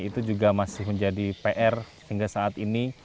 itu juga masih menjadi pr hingga saat ini